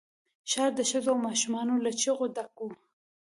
ښار د ښځو او ماشومان له چيغو ډک وو.